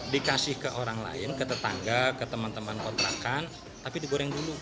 dikasih ke orang lain ke tetangga ke teman teman kontrakan tapi digoreng dulu